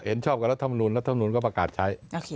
ชอบกับรัฐมนุนรัฐมนุนก็ประกาศใช้